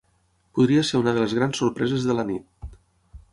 Podria ser una de les grans sorpreses de la nit.